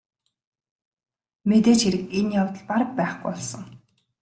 Мэдээж хэрэг энэ явдал бараг байхгүй болсон.